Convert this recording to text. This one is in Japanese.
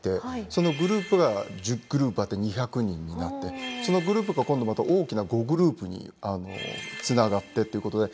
そのグループが１０グループあって２００人になってそのグループが今度また大きな５グループにつながってってことで。